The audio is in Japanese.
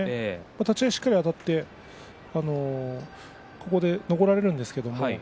立ち合い、しっかりあたって残られるんですけどね。